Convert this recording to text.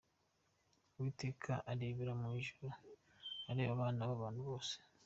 Uwiteka arebera mu ijuru, Areba abana b’abantu bose.